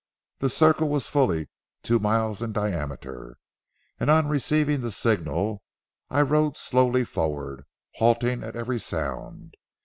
The circle was fully two miles in diameter, and on receiving the signal I rode slowly forward, halting at every sound.